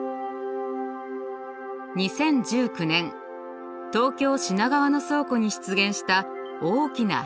２０１９年東京・品川の倉庫に出現した大きな壁画。